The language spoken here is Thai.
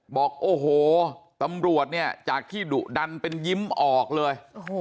บอกโอ้โหตำรวจเนี่ยจากที่ดุดันเป็นยิ้มออกเลย